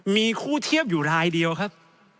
มีคู่เทียบอยู่รายเดียวครับ